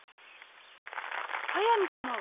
速水様は？